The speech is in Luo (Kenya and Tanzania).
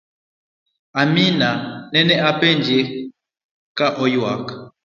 Amina nene openje ka oywak